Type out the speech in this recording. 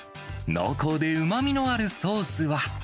濃厚でうまみのあるソースは。